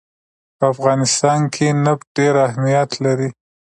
په افغانستان کې نفت ډېر اهمیت لري.